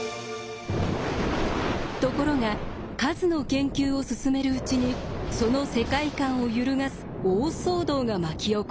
ところが数の研究を進めるうちにその世界観を揺るがす大騒動が巻き起こります。